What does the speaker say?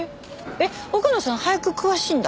奥野さん俳句詳しいんだ。